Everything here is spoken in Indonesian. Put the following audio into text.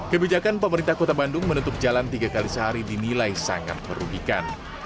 kebijakan pemerintah kota bandung menutup jalan tiga kali sehari dinilai sangat merugikan